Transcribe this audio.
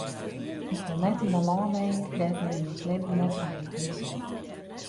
Ik wol net yn in lân wenje dêr't men jins libben net feilich is.